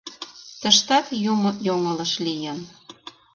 — Тыштат Юмо йоҥылыш лийын...